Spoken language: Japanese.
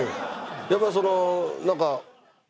やっぱりその何かね